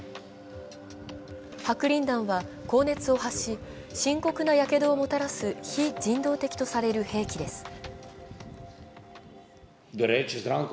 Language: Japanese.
白リン弾は高熱を発し、深刻なやけどをもたらす非人道的とされる兵器です。